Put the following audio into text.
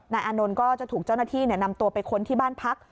อานนท์ก็จะถูกเจ้าหน้าที่นำตัวไปค้นที่บ้านพัก